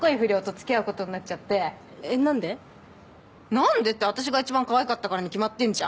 「なんで」って私が一番かわいかったからに決まってんじゃん